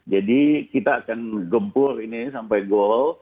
jadi kita akan gempur ini sampai goal